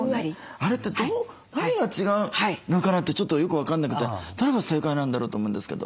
あれって何が違うのかな？ってちょっとよく分かんなくてどれが正解なんだろう？と思うんですけど。